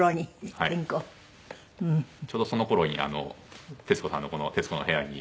ちょうどその頃にあの徹子さんのこの『徹子の部屋』に。